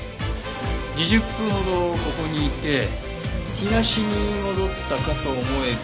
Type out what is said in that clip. ２０分ほどここにいて東に戻ったかと思えば次はさらに西。